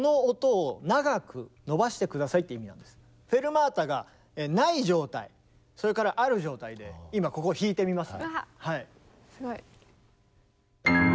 これがあるところはフェルマータがない状態それからある状態で今ここ弾いてみます。